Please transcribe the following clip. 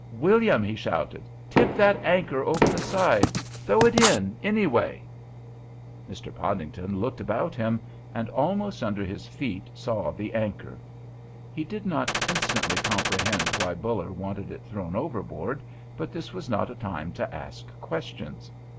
"William," he shouted, "tip that anchor over the side! Throw it in, any way!" Mr. Podington looked about him, and, almost under his feet, saw the anchor. He did not instantly comprehend why Buller wanted it thrown overboard, but this was not a time to ask questions.